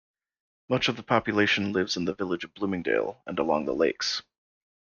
Much of the population lives in the village of Bloomingdale and along the lakes.